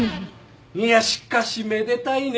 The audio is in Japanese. いやしかしめでたいね。